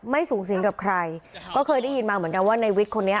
สูงสิงกับใครก็เคยได้ยินมาเหมือนกันว่าในวิทย์คนนี้